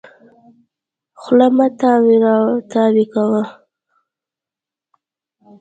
خوله مه تاوې راو تاوې کوه.